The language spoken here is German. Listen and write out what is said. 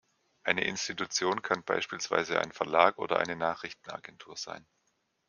Eine Institution kann beispielsweise ein Verlag oder eine Nachrichtenagentur sein.